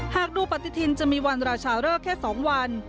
หากดูปฏิทินจะมีวันราชาเริกแค่๒วัน